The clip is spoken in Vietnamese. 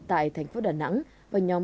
tại thành phố đà nẵng và nhóm